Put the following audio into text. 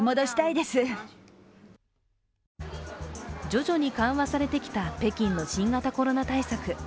徐々に緩和されてきた北京の新型コロナ対策。